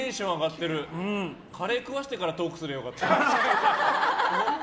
カレー食わしてからトークすればよかった。